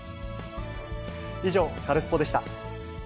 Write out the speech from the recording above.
以上、カルスポっ！でした。